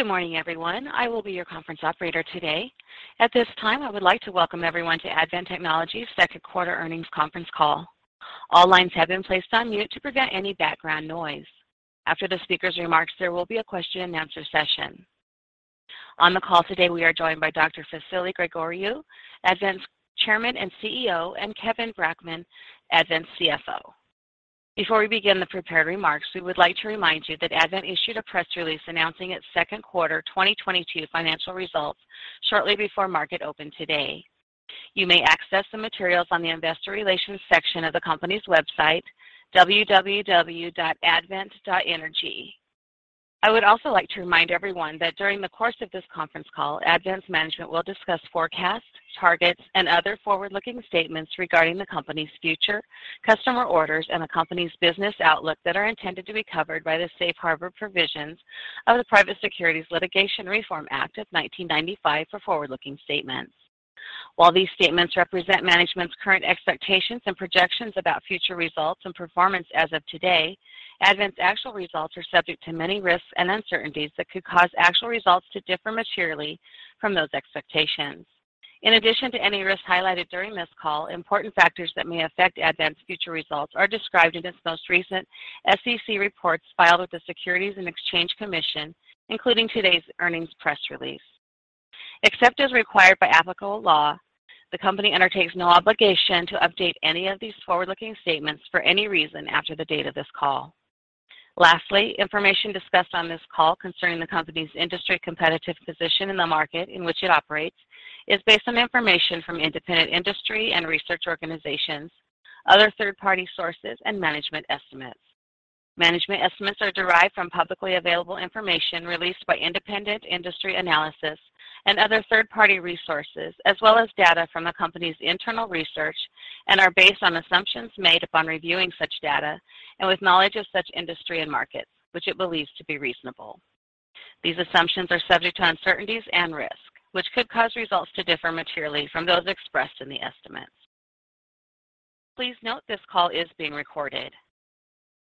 Good morning, everyone. I will be your conference operator today. At this time, I would like to welcome everyone to Advent Technologies' second quarter earnings conference call. All lines have been placed on mute to prevent any background noise. After the speaker's remarks, there will be a question and answer session. On the call today, we are joined by Dr. Vasilis Gregoriou, Advent's Chairman and CEO, and Kevin Brackman, Advent's CFO. Before we begin the prepared remarks, we would like to remind you that Advent issued a press release announcing its second quarter 2022 financial results shortly before market open today. You may access the materials on the investor relations section of the company's website, www.advent.energy. I would also like to remind everyone that during the course of this conference call, Advent's management will discuss forecasts, targets, and other forward-looking statements regarding the company's future, customer orders, and the company's business outlook that are intended to be covered by the safe harbor provisions of the Private Securities Litigation Reform Act of 1995 for forward-looking statements. While these statements represent management's current expectations and projections about future results and performance as of today, Advent's actual results are subject to many risks and uncertainties that could cause actual results to differ materially from those expectations. In addition to any risks highlighted during this call, important factors that may affect Advent's future results are described in its most recent SEC reports filed with the Securities and Exchange Commission, including today's earnings press release. Except as required by applicable law, the company undertakes no obligation to update any of these forward-looking statements for any reason after the date of this call. Lastly, information discussed on this call concerning the company's industry competitive position in the market in which it operates is based on information from independent industry and research organizations, other third-party sources, and management estimates. Management estimates are derived from publicly available information released by independent industry analysis and other third-party resources, as well as data from the company's internal research and are based on assumptions made upon reviewing such data and with knowledge of such industry and markets, which it believes to be reasonable. These assumptions are subject to uncertainties and risks, which could cause results to differ materially from those expressed in the estimates. Please note this call is being recorded.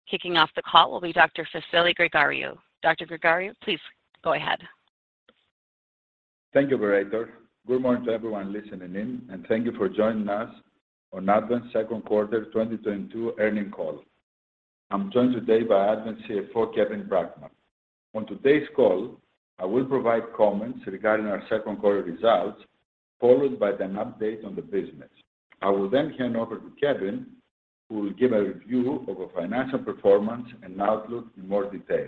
Kicking off the call will be Dr. Vasilis Gregoriou. Dr. Gregoriou, please go ahead. Thank you, operator. Good morning to everyone listening in, and thank you for joining us on Advent's second quarter 2022 earnings call. I'm joined today by Advent CFO, Kevin Brackman. On today's call, I will provide comments regarding our second quarter results, followed by an update on the business. I will then hand over to Kevin, who will give a review of our financial performance and outlook in more detail.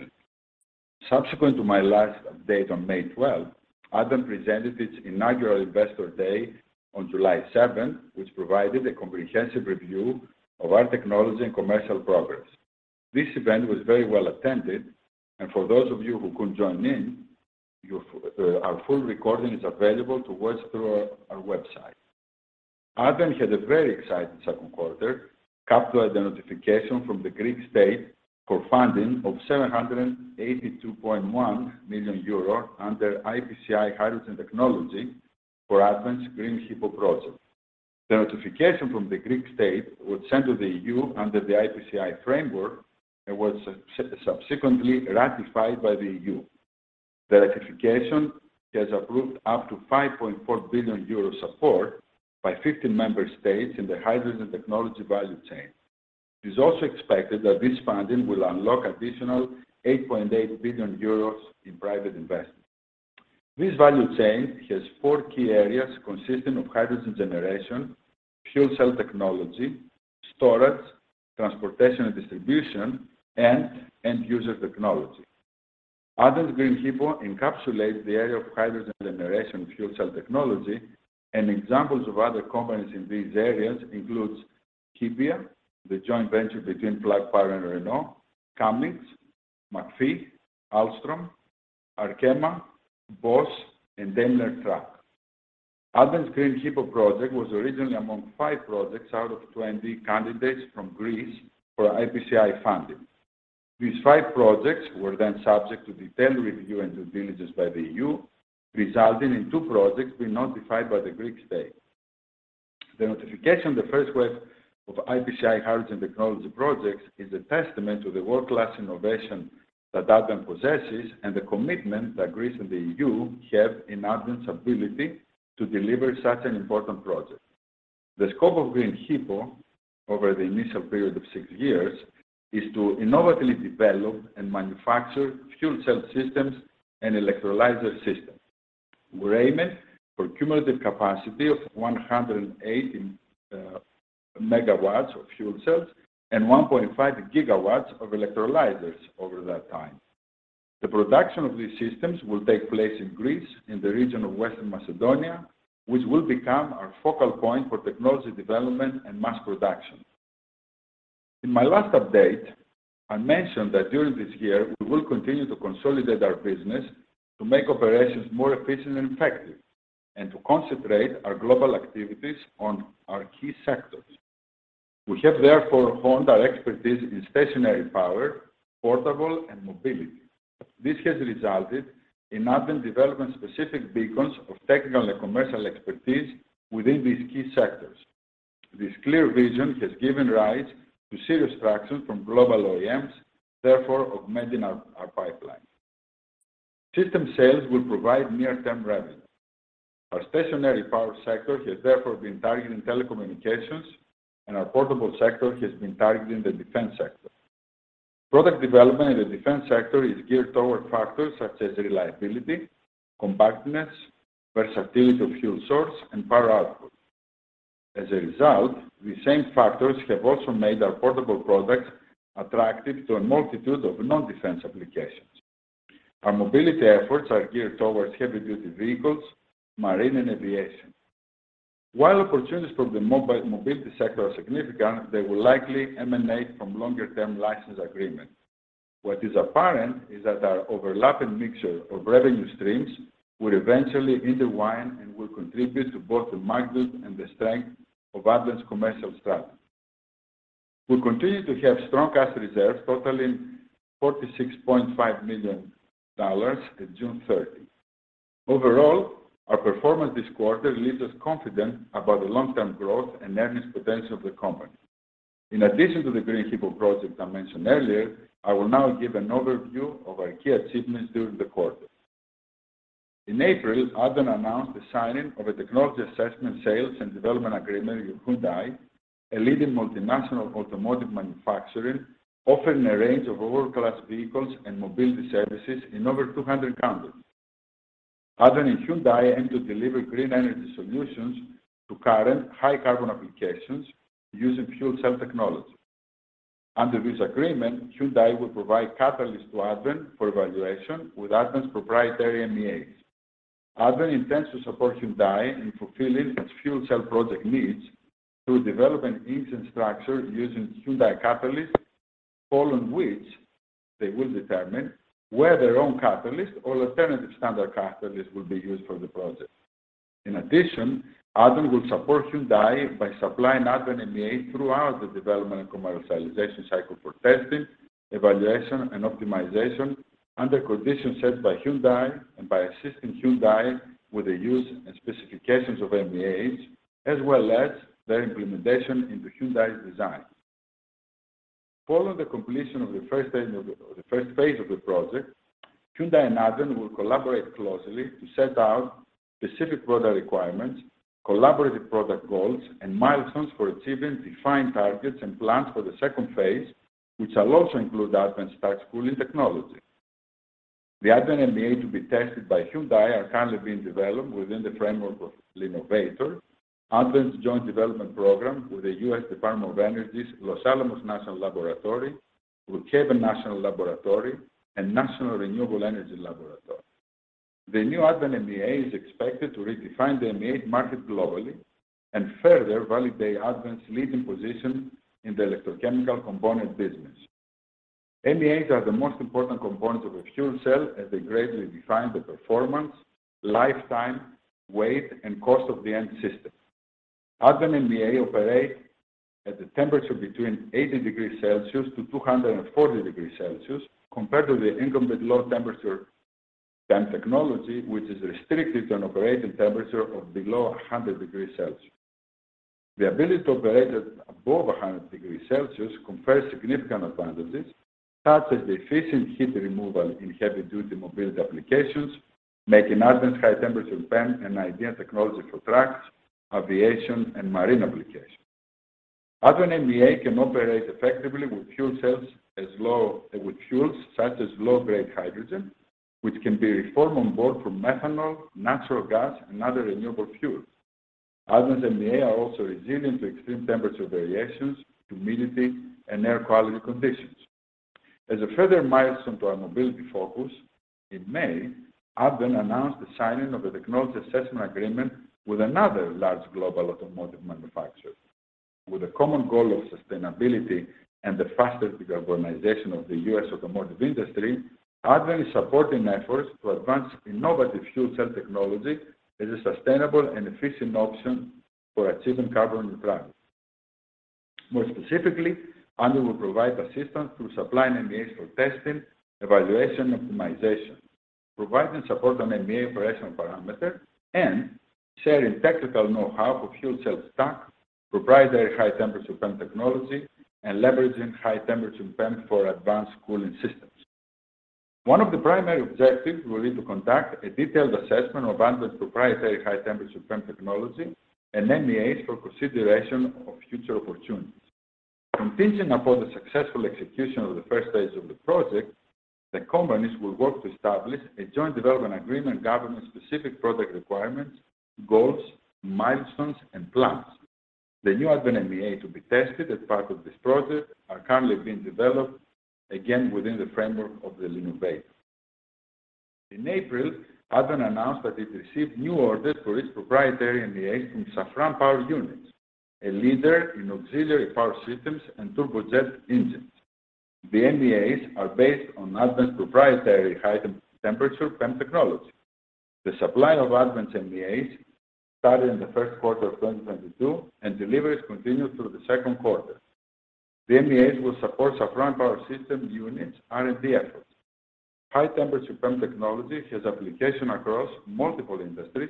Subsequent to my last update on May 12, Advent presented its inaugural Investor Day on July 7, which provided a comprehensive review of our technology and commercial progress. This event was very well attended, and for those of you who couldn't join in, our full recording is available to watch through our website. Advent had a very exciting second quarter, capped by the notification from the Greek state for funding of 782.1 million euro under IPCEI hydrogen technology for Advent's Green HiPo project. The notification from the Greek state was sent to the EU under the IPCEI framework and was subsequently ratified by the EU. The ratification has approved up to 5.4 billion euro support by 15 member states in the hydrogen technology value chain. It is also expected that this funding will unlock additional 8.8 billion euros in private investment. This value chain has 4 key areas consisting of hydrogen generation, fuel cell technology, storage, transportation and distribution, and end user technology. Advent's Green HiPo encapsulates the area of hydrogen generation fuel cell technology, and examples of other companies in these areas includes Hyvia, the joint venture between Plug Power and Renault, Cummins, McPhy, Ahlstrom, Arkema, Bosch, and Daimler Truck. Advent's Green HiPo project was originally among 5 projects out of 20 candidates from Greece for IPCEI funding. These 5 projects were then subject to detailed review and due diligence by the EU, resulting in 2 projects being notified by the Greek state. The notification, the first wave of IPCEI hydrogen technology projects, is a testament to the world-class innovation that Advent possesses and the commitment that Greece and the EU have in Advent's ability to deliver such an important project. The scope of Green HiPo over the initial period of 6 years is to innovatively develop and manufacture fuel cell systems and electrolyzer systems. We're aiming for cumulative capacity of 180 megawatts of fuel cells and 1.5 GW of electrolyzers over that time. The production of these systems will take place in Greece, in the region of Western Macedonia, which will become our focal point for technology development and mass production. In my last update, I mentioned that during this year, we will continue to consolidate our business to make operations more efficient and effective, and to concentrate our global activities on our key sectors. We have therefore honed our expertise in stationary power, portable, and mobility. This has resulted in Advent developing specific beacons of technical and commercial expertise within these key sectors. This clear vision has given rise to serious traction from global OEMs, therefore augmenting our pipeline. System sales will provide near-term revenue. Our stationary power sector has therefore been targeting telecommunications, and our portable sector has been targeting the defense sector. Product development in the defense sector is geared toward factors such as reliability, compactness, versatility of fuel source, and power output. As a result, the same factors have also made our portable products attractive to a multitude of non-defense applications. Our mobility efforts are geared towards heavy-duty vehicles, marine, and aviation. While opportunities from the mobility sector are significant, they will likely emanate from longer-term license agreements. What is apparent is that our overlapping mixture of revenue streams will eventually intertwine and will contribute to both the magnitude and the strength of Advent's commercial strategy. We continue to have strong cash reserves totaling $46.5 million at June 30. Overall, our performance this quarter leaves us confident about the long-term growth and earnings potential of the company. In addition to the Green HiPo project I mentioned earlier, I will now give an overview of our key achievements during the quarter. In April, Advent announced the signing of a technology assessment, sales, and development agreement with Hyundai, a leading multinational automotive manufacturer offering a range of world-class vehicles and mobility services in over 200 countries. Advent and Hyundai aim to deliver green energy solutions to current high carbon applications using fuel cell technology. Under this agreement, Hyundai will provide catalysts to Advent for evaluation with Advent's proprietary MEAs. Advent intends to support Hyundai in fulfilling its fuel cell project needs through development engine structure using Hyundai catalysts, following which they will determine whether their own catalyst or alternative standard catalyst will be used for the project. In addition, Advent will support Hyundai by supplying Advent MEA throughout the development and commercialization cycle for testing, evaluation, and optimization under conditions set by Hyundai and by assisting Hyundai with the use and specifications of MEAs, as well as their implementation into Hyundai's design. Following the completion of the first phase of the project, Hyundai and Advent will collaborate closely to set out specific product requirements, collaborative product goals, and milestones for achieving defined targets and plans for the second phase, which will also include Advent's stack cooling technology. The Advent MEA to be tested by Hyundai are currently being developed within the framework of L'Innovator, Advent's joint development program with the US Department of Energy's Los Alamos National Laboratory, Brookhaven National Laboratory, and National Renewable Energy Laboratory. The new Advent MEA is expected to redefine the MEA market globally and further validate Advent's leading position in the electrochemical component business. MEAs are the most important components of a fuel cell, as they greatly define the performance, lifetime, weight, and cost of the end system. Advent MEA operate at a temperature between 80 degrees Celsius to 240 degrees Celsius, compared to the incumbent low temperature PEM technology, which is restricted to an operating temperature of below 100 degrees Celsius. The ability to operate at above 100 degrees Celsius confers significant advantages, such as the efficient heat removal in heavy-duty mobility applications, making Advent's high-temperature PEM an ideal technology for trucks, aviation, and marine applications. Advent MEA can operate effectively with fuel cells with fuels such as low-grade hydrogen, which can be reformed on board from methanol, natural gas, and other renewable fuels. Advent's MEA are also resilient to extreme temperature variations, humidity, and air quality conditions. As a further milestone to our mobility focus, in May, Advent announced the signing of a technology assessment agreement with another large global automotive manufacturer. With a common goal of sustainability and the faster decarbonization of the U.S. automotive industry, Advent is supporting efforts to advance innovative fuel cell technology as a sustainable and efficient option for achieving carbon neutrality. More specifically, Advent will provide assistance through supplying MEAs for testing, evaluation, and optimization, providing support on MEA operational parameter, and sharing technical know-how of fuel cell stack, proprietary high-temperature PEM technology, and leveraging high-temperature PEM for advanced cooling systems. One of the primary objectives will be to conduct a detailed assessment of Advent's proprietary high-temperature PEM technology and MEAs for consideration of future opportunities. Contingent upon the successful execution of the first phase of the project, the companies will work to establish a joint development agreement governing specific product requirements, goals, milestones, and plans. The new Advent MEA to be tested as part of this project are currently being developed, again, within the framework of the L'Innovator. In April, Advent announced that it received new orders for its proprietary MEAs from Safran Power Units, a leader in auxiliary power systems and turbojet engines. The MEAs are based on Advent's proprietary high-temperature PEM technology. The supply of Advent's MEAs started in the first quarter of 2022, and deliveries continued through the second quarter. The MEAs will support Safran Power Units' R&D efforts. High temperature PEM technology has application across multiple industries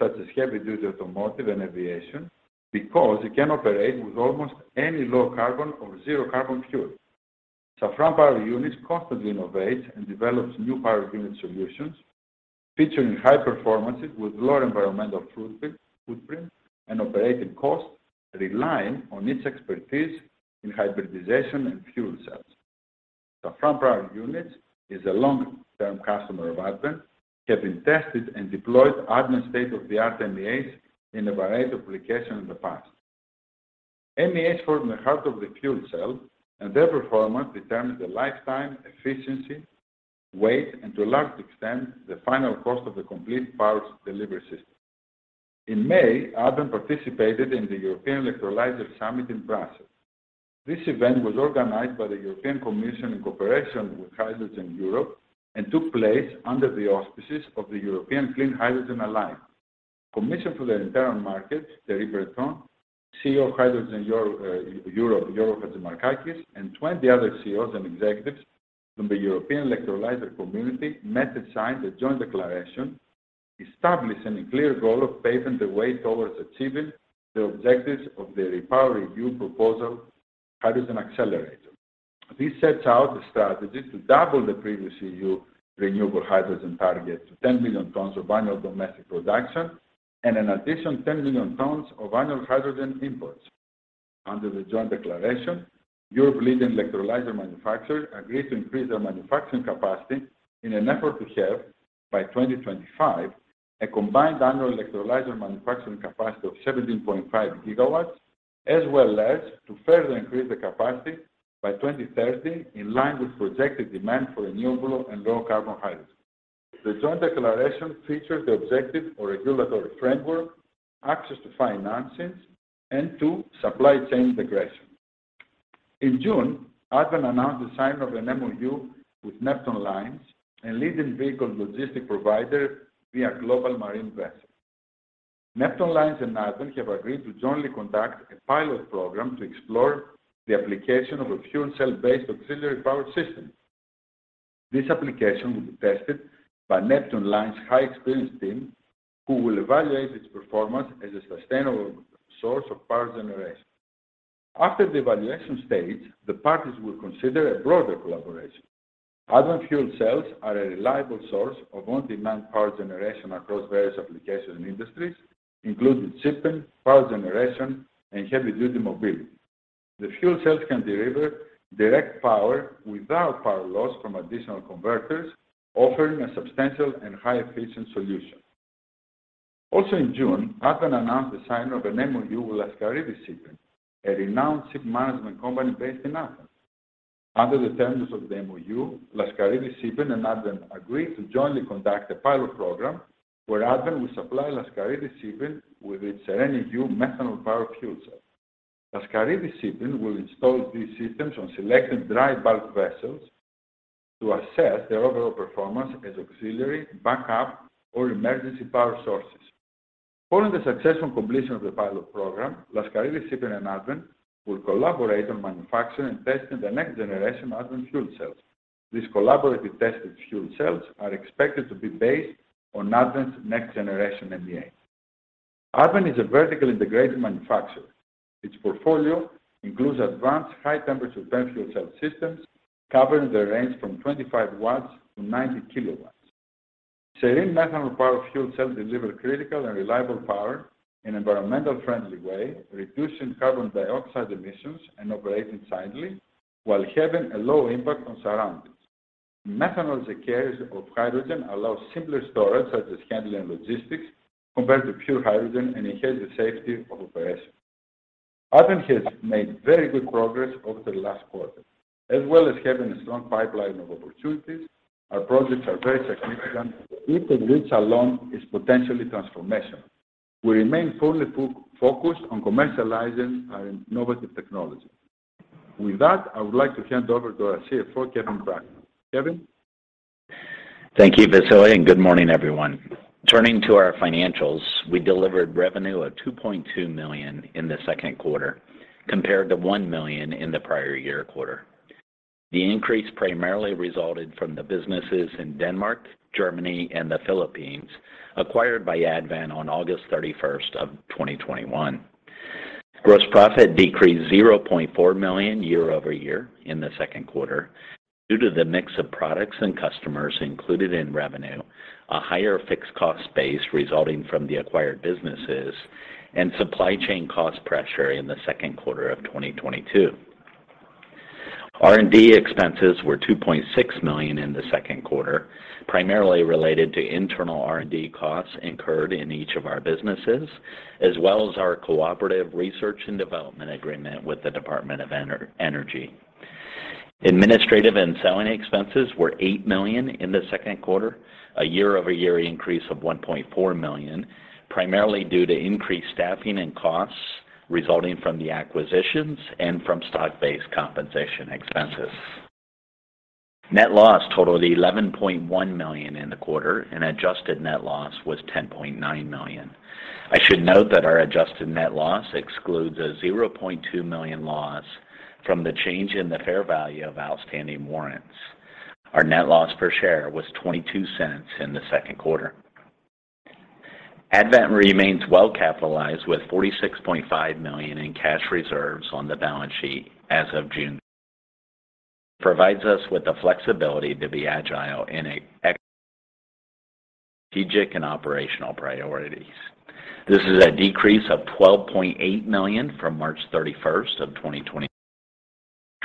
such as heavy-duty automotive and aviation because it can operate with almost any low carbon or zero carbon fuel. Safran Power Units constantly innovates and develops new power unit solutions featuring high performances with lower environmental footprint and operating costs, relying on its expertise in hybridization and fuel cells. Safran Power Units is a long-term customer of Advent, having tested and deployed Advent state-of-the-art MEAs in a variety of applications in the past. MEAs form the heart of the fuel cell, and their performance determines the lifetime, efficiency, weight, and to a large extent, the final cost of the complete power delivery system. In May, Advent participated in the European Electrolyzer Summit in Brussels. This event was organized by the European Commission in cooperation with Hydrogen Europe, and took place under the auspices of the European Clean Hydrogen Alliance. Commissioner for the Internal Market, Thierry Breton, CEO of Hydrogen Europe, Jorgo Chatzimarkakis, and 20 other CEOs and executives from the European Electrolyzer community met to sign the Joint Declaration, establishing a clear goal of paving the way towards achieving the objectives of the REPowerEU Hydrogen Accelerator. This sets out the strategy to double the previous EU renewable hydrogen target to 10 million tons of annual domestic production and an additional 10 million tons of annual hydrogen imports. Under the Joint Declaration, Europe's leading electrolyzer manufacturers agreed to increase their manufacturing capacity in an effort to have, by 2025, a combined annual electrolyzer manufacturing capacity of 17.5 GW, as well as to further increase the capacity by 2030 in line with projected demand for renewable and low-carbon hydrogen. The Joint Declaration features the objective or regulatory framework, access to financing, and two, supply chain progression. In June, Advent announced the signing of an MOU with Neptune Lines, a leading vehicle logistics provider via marine vessels. Neptune Lines and Advent have agreed to jointly conduct a pilot program to explore the application of a fuel cell-based auxiliary power system. This application will be tested by Neptune Lines' highly experienced team, who will evaluate its performance as a sustainable source of power generation. After the evaluation stage, the parties will consider a broader collaboration. Advent fuel cells are a reliable source of on-demand power generation across various applications and industries, including shipping, power generation, and heavy-duty mobility. The fuel cells can deliver direct power without power loss from additional converters, offering a substantial and highly efficient solution. Also in June, Advent announced the signing of an MOU with Laskaridis Shipping, a renowned ship management company based in Athens. Under the terms of the MOU, Laskaridis Shipping and Advent agreed to jointly conduct a pilot program where Advent will supply Laskaridis Shipping with its SereneU methanol-powered fuel cell. Laskaridis Shipping will install these systems on selected dry bulk vessels to assess their overall performance as auxiliary, backup, and emergency power sources. Following the successful completion of the pilot program, Laskaridis Shipping and Advent will collaborate on manufacturing and testing the next generation Advent fuel cells. These collaboratively tested fuel cells are expected to be based on Advent's next generation MEA. Advent is a vertically integrated manufacturer. Its portfolio includes advanced high-temperature PEM fuel cell systems covering the range from 25 watts to 90 kilowatts. SereneU methanol-powered fuel cells deliver critical and reliable power in environmentally friendly way, reducing carbon dioxide emissions and operating silently while having a low impact on surroundings. Methanol as a carrier of hydrogen allows simpler storage, such as handling logistics compared to pure hydrogen, and enhances safety of operation. Advent has made very good progress over the last quarter. As well as having a strong pipeline of opportunities, our projects are very significant, each of which alone is potentially transformational. We remain fully focused on commercializing our innovative technology. With that, I would like to hand over to our CFO, Kevin Brackman. Kevin? Thank you, Vassilis, and good morning, everyone. Turning to our financials, we delivered revenue of $2.2 million in the second quarter compared to $1 million in the prior year quarter. The increase primarily resulted from the businesses in Denmark, Germany, and the Philippines, acquired by Advent on August 31, 2021. Gross profit decreased $0.4 million year-over-year in the second quarter due to the mix of products and customers included in revenue, a higher fixed cost base resulting from the acquired businesses, and supply chain cost pressure in the second quarter of 2022. R&D expenses were $2.6 million in the second quarter, primarily related to internal R&D costs incurred in each of our businesses, as well as our cooperative research and development agreement with the Department of Energy. Administrative and selling expenses were $8 million in the second quarter, a year-over-year increase of $1.4 million, primarily due to increased staffing and costs resulting from the acquisitions and from stock-based compensation expenses. Net loss totaled $11.1 million in the quarter, and adjusted net loss was $10.9 million. I should note that our adjusted net loss excludes a $0.2 million loss from the change in the fair value of outstanding warrants. Our net loss per share was $0.22 in the second quarter. Advent remains well capitalized, with $46.5 million in cash reserves on the balance sheet as of June. Provides us with the flexibility to be agile in a strategic and operational priorities. This is a decrease of $12.8 million from March 31, 2020,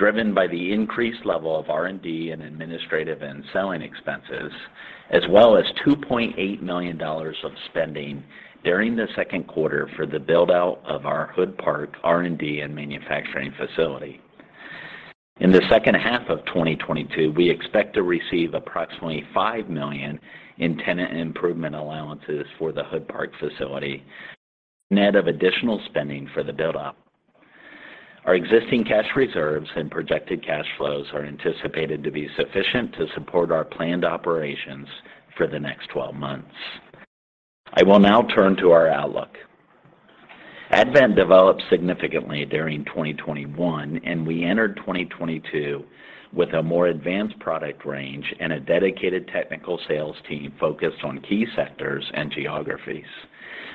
driven by the increased level of R&D and administrative and selling expenses, as well as $2.8 million of spending during the second quarter for the build-out of our Hood Park R&D and manufacturing facility. In the second half of 2022, we expect to receive approximately $5 million in tenant improvement allowances for the Hood Park facility, net of additional spending for the build-up. Our existing cash reserves and projected cash flows are anticipated to be sufficient to support our planned operations for the next 12 months. I will now turn to our outlook. Advent developed significantly during 2021, and we entered 2022 with a more advanced product range and a dedicated technical sales team focused on key sectors and geographies.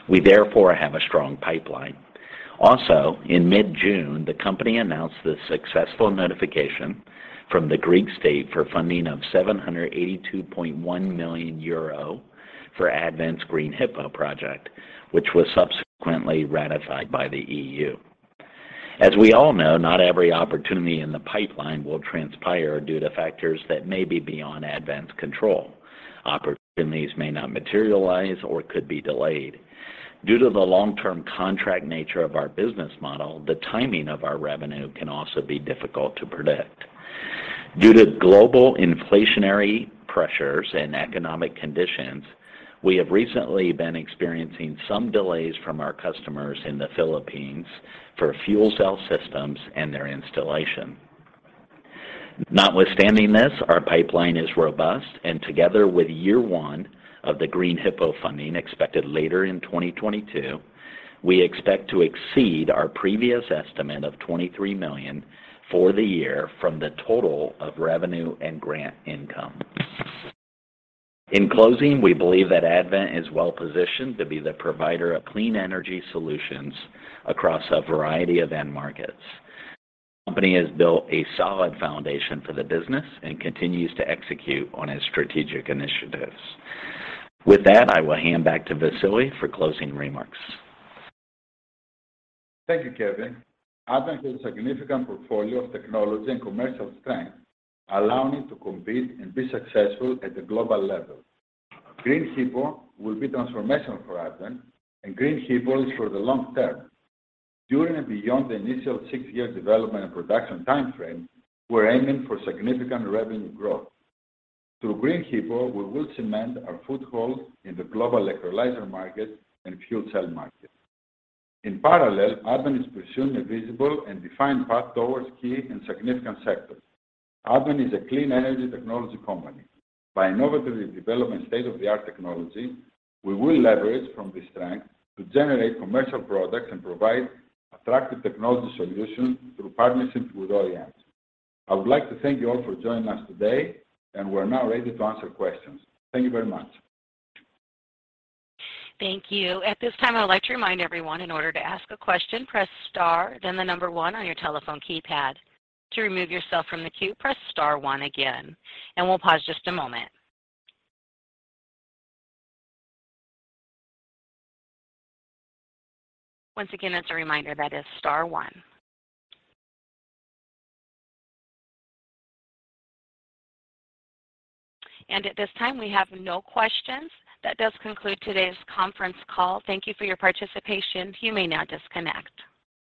We therefore have a strong pipeline. Also, in mid-June, the company announced the successful notification from the Greek state for funding of 782.1 million euro for Advent's Green HiPo project, which was subsequently ratified by the EU. As we all know, not every opportunity in the pipeline will transpire due to factors that may be beyond Advent's control. Opportunities may not materialize or could be delayed. Due to the long-term contract nature of our business model, the timing of our revenue can also be difficult to predict. Due to global inflationary pressures and economic conditions, we have recently been experiencing some delays from our customers in the Philippines for fuel cell systems and their installation. Notwithstanding this, our pipeline is robust, and together with year one of the Green HiPo funding expected later in 2022, we expect to exceed our previous estimate of $23 million for the year from the total of revenue and grant income. In closing, we believe that Advent is well positioned to be the provider of clean energy solutions across a variety of end markets. The company has built a solid foundation for the business and continues to execute on its strategic initiatives. With that, I will hand back to Vassilis for closing remarks. Thank you, Kevin. Advent has a significant portfolio of technology and commercial strength, allowing it to compete and be successful at the global level. Green HiPo will be transformational for Advent, and Green HiPo is for the long term. During and beyond the initial six-year development and production timeframe, we're aiming for significant revenue growth. Through Green HiPo, we will cement our foothold in the global electrolyzer market and fuel cell market. In parallel, Advent is pursuing a visible and defined path towards key and significant sectors. Advent is a clean energy technology company. By innovatively developing state-of-the-art technology, we will leverage from this strength to generate commercial products and provide attractive technology solutions through partnerships with OEMs. I would like to thank you all for joining us today, and we're now ready to answer questions. Thank you very much. Thank you. At this time, I would like to remind everyone, in order to ask a question, press star, then the number one on your telephone keypad. To remove yourself from the queue, press star one again, and we'll pause just a moment. Once again, as a reminder, that is star one. At this time, we have no questions. That does conclude today's conference call. Thank you for your participation. You may now disconnect.